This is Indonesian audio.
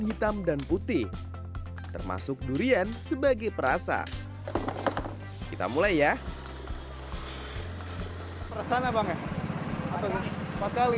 hitam dan putih termasuk durian sebagai perasa kita mulai ya perasaan abangnya atau empat kali